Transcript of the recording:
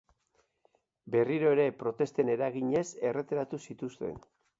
Berriro ere, protesten eraginez erretiratu zituzten.